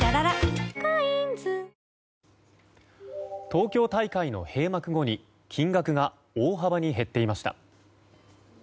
東京大会の閉幕後に金額が大幅に減っていました。